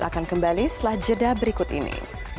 akan kembali setelah jeda berikut ini